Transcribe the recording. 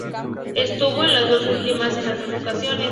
Estuvo en las dos últimas en dos ocasiones.